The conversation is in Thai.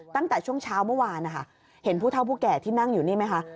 ตั้งแต่ช่วงเช้าเมื่อวานนะคะเห็นผู้เท่าผู้แก่ที่นั่งอยู่นี่ไหมคะ